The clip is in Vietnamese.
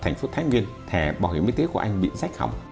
thành phố thái nguyên thẻ bảo hiểm y tế của anh bị rách hỏng